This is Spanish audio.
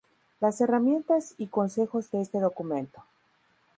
las herramientas y consejos de este documento